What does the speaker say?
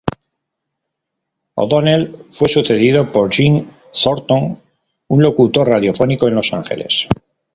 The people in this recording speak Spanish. O'Donnell fue sucedido por Jim Thornton, un locutor radiofónico en Los Ángeles.